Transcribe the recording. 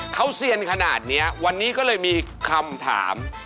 เขาเซียนขนาดนี้วันนี้ก็เลยมีคำถาม